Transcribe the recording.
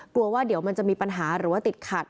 กลัวว่าเดี๋ยวมันจะมีปัญหาหรือว่าติดขัด